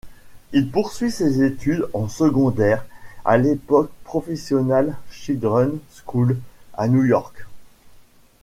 Il poursuit ses études en secondaire à l'école Professional Children's School à New York.